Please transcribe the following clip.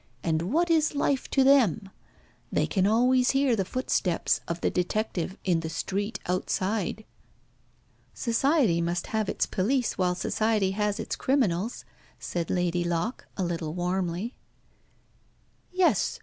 And what is life to them? They can always hear the footsteps of the detective in the street outside." "Society must have its police while Society has its criminals," said Lady Locke, a little warmly. "Yes.